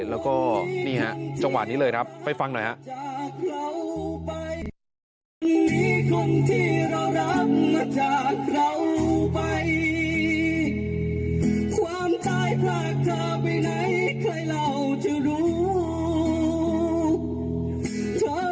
แล้วก็นี่ฮะจังหวะนี้เลยครับไปฟังหน่อยฮะ